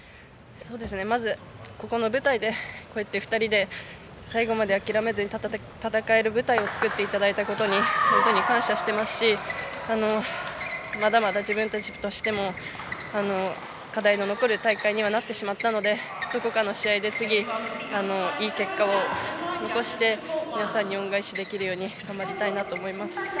まずこの舞台でこうやって２人で最後まで諦めずに戦える舞台を作っていただいたことに本当に感謝してますしまだまだ自分たちとしても課題の残る大会にはなってしまったのでどこかの試合で次いい結果を残して皆さんに恩返しできるように頑張りたいと思います。